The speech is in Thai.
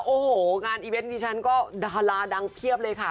โอ้โหงานอีเวนต์ดิฉันก็ดาราดังเพียบเลยค่ะ